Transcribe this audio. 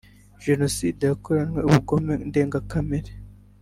Jenoside yakoranywe ubugome ndengakamere